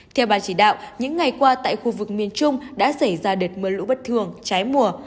theo ban chỉ đạo những ngày qua tại khu vực miền trung đã xảy ra đợt mưa lũ bất thường trái mùa